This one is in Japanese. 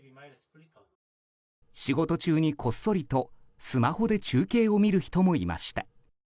仕事中にこっそりとスマホで中継を見る人もいました。